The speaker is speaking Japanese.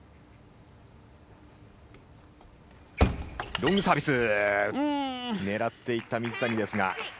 ロングサービス狙っていった水谷ですが。